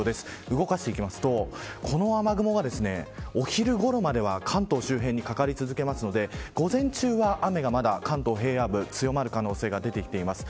動かしていきますとこの雨雲が、お昼ごろまでは関東周辺にかかり続けるので午前中は雨がまだ関東平野部強まる可能性が出てきています。